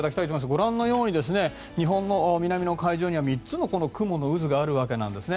ご覧のように日本の南の海上には３つの雲の渦があるわけなんですね。